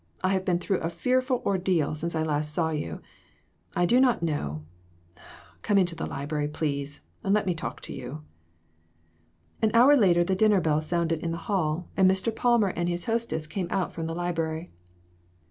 I have been through a fearful ordeal since I last saw you. I do not know come into the library, please, and let me talk to you." An hour later the dinner bell sounded in the hall, and Mr. Palmer and his hostess came out from the library. COMPLICATIONS.